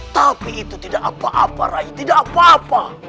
tapi itu tidak apa apa raih tidak apa apa